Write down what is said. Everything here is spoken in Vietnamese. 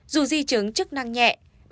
dù di chứng chức năng nhẹ